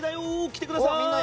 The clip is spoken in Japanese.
来てください。